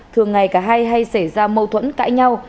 thường ngày cả hai hay xảy ra mâu thuẫn cãi nhau